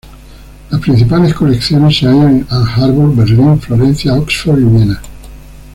Las principales colecciones se hallan en Ann Arbor, Berlín, Florencia, Oxford y Viena.